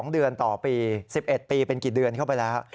๒เดือนต่อปี๑๑ปีเป็นกี่เดือนเข้าไปแล้ว